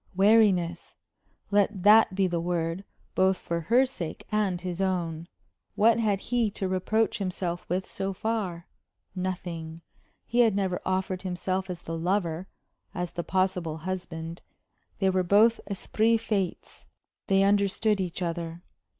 Wariness! let that be the word, both for her sake and his own. What had he to reproach himself with so far? Nothing. He had never offered himself as the lover, as the possible husband. They were both esprits faits they understood each other.